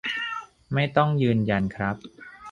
ไม่ต้องยืนยันครับ